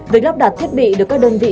việc lắp đặt thiết bị được các đơn vị